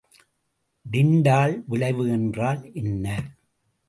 Tyndall விளைவு என்றால் என்ன?